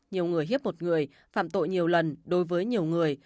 nhiều người hiếp một người phạm tội nhiều lần đối với nhiều người